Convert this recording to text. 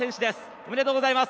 おめでとうございます。